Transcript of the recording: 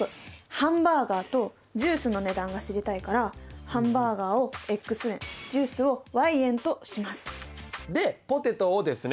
ハンバーガーとジュースの値段が知りたいからハンバーガーを円ジュースを円としますでポテトをですね。